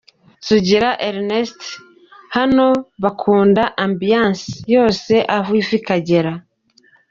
Sugira Ernest: Hano bakunda ambiance yose aho iva ikagera.